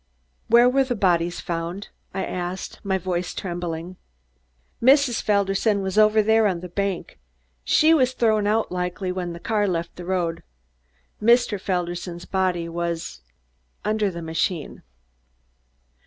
"Where were the bodies found?" I asked, my voice trembling. "Mrs. Felderson was over there on the bank. She was thrown out likely when the car left the road. Mr. Felderson's body was under the machine."